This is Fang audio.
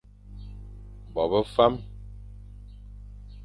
Bo be fam.